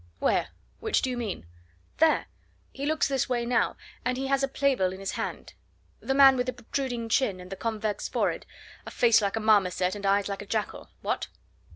"Where? Which do you mean?" "There! He looks this way now, and he has a playbill in his hand. The man with the protruding chin and the convex forehead, a face like a marmoset, and eyes like a jackal. What?"